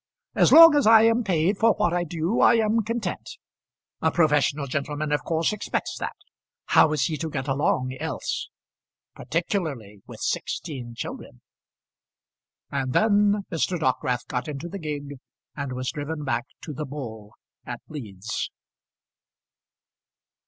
As long as I am paid for what I do, I am content. A professional gentleman of course expects that. How is he to get along else; particular with sixteen children?" And then Mr. Dockwrath got into the gig, and was driven back to the Bull at Leeds.